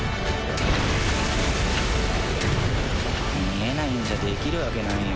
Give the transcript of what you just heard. ビィー！見えないんじゃできるわけないよ。